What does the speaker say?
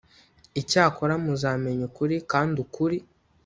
Icyakora muzamenya ukuri kandi ukuri